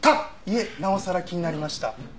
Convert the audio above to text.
いえなおさら気になりました。